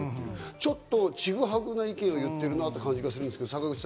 ちょっと、ちぐはぐな意見を言ってるなという感じがするんですけど、坂口さん。